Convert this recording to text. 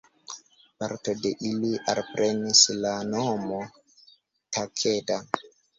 Parto de ili alprenis la nomon Takeda.